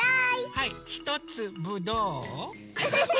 はいひとつぶどう？